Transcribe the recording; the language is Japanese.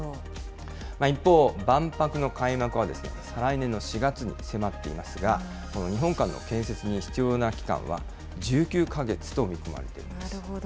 一方、万博の開幕は再来年の４月に迫っていますが、この日本館の建設に必要な期間は、１９かなるほど。